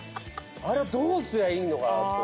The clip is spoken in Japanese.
あれどうすりゃいいのかなと。